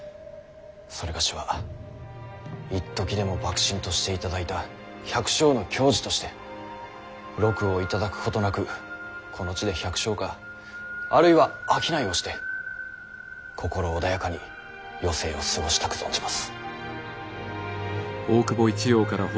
某はいっときでも幕臣としていただいた百姓の矜持として禄を頂くことなくこの地で百姓かあるいは商いをして心穏やかに余生を過ごしたく存じます。